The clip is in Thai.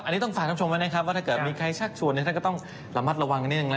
อันนี้ก็ต้องฝากท่านชมไว้ว่าถ้ามีใครชักชวนท่านก็ต้องระมัดระวัง